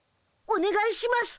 おねがいします！